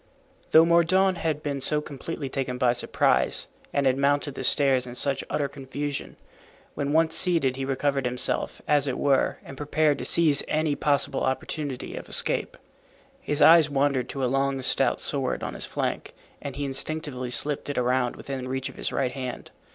Though Mordaunt had been so completely taken by surprise and had mounted the stairs in such utter confusion, when once seated he recovered himself, as it were, and prepared to seize any possible opportunity of escape. His eye wandered to a long stout sword on his flank and he instinctively slipped it around within reach of his right hand.